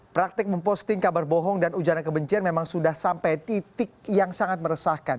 praktik memposting kabar bohong dan ujaran kebencian memang sudah sampai titik yang sangat meresahkan